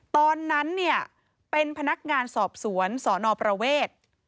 ตอนนั้นเนี่ยเป็นพนักงานสอบสวนสนประเวท